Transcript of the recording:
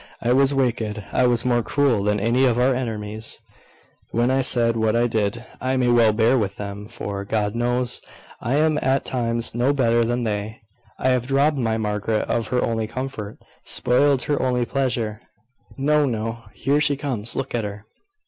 "I was wicked I was more cruel than any of our enemies, when I said what I did. I may well bear with them; for, God knows, I am at times no better than they. I have robbed my Margaret of her only comfort spoiled her only pleasure." "No, no. Here she comes. Look at her."